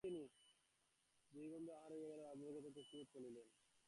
দুই বন্ধুর আহার হইয়া গেলে, রাজলক্ষ্মী অত্যন্ত তৃপ্তিবোধ করিলেন।